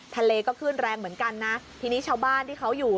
ทะเลก็ขึ้นแรงเหมือนกันนะทีนี้ชาวบ้านที่เขาอยู่